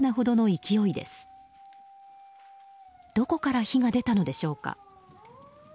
どこから火が出たのでしょうか。